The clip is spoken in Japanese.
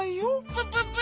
プププ！